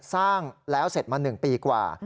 สร้างแล้วเสร็จมา๑ปีกว่า